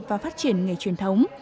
và phát triển nghề truyền thống